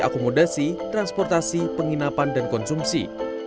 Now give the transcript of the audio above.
akomodasi transportasi penginapan dan konsumsi